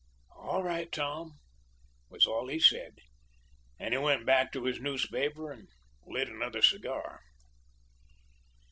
"'All right, Tom,' was all he said, and he went back to his newspaper and lit another cigar.